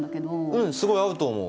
うんすごい合うと思う。